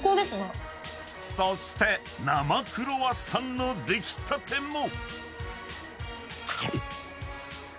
［そして生クロワッサンの出来たても］